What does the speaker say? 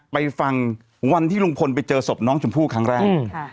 ไปฟังวันที่ลุงพลไปเจอศพน้องชมพู่ครั้งแรก